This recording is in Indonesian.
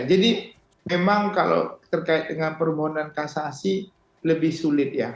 jadi memang kalau terkait dengan permohonan kasasi lebih sulit ya